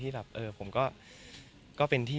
ก็มีไปคุยกับคนที่เป็นคนแต่งเพลงแนวนี้